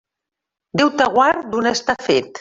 Déu te guard d'un està fet.